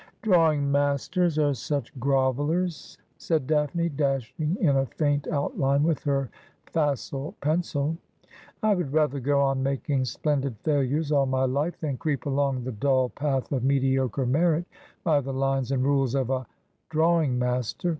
' Drawing masters are such grovellers,' said Daphne, dashing in a faint outline with her facile pencil. ' I would rather go on making splendid failures all my life than creep along the dull path of mediocre merit by the lines and rules of a drawing master.